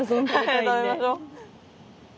食べましょう。